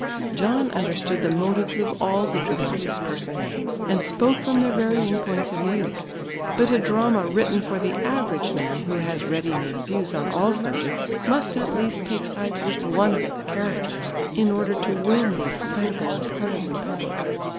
John understood the motives of all the dramatis personae; and spoke from their varying points of view. But a drama written for the average man who has ready made views on all subjects, must at least take sides with one of its characters in order to win the excitable and partisan public.